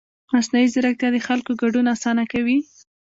مصنوعي ځیرکتیا د خلکو ګډون اسانه کوي.